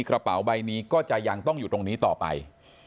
กระเป๋าใบนี้ก็จะยังต้องอยู่ตรงนี้ต่อไป